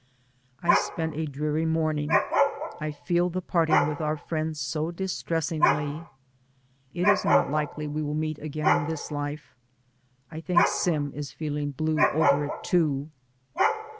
I spent a dreary morning. I feel the parting with our friends so distressingly. It is not likely we will meet again in this life. I think Sim is feeling blue over it, too.